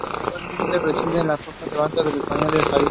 Actualmente reside en la costa del Levante español y en París.